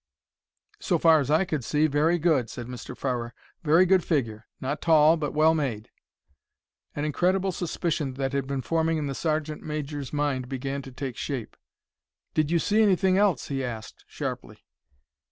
"So far as I could see, very good," said Mr. Farrer. "Very good figure —not tall, but well made." An incredible suspicion that had been forming in the sergeant major's mind began to take shape. "Did you see anything else?" he asked, sharply.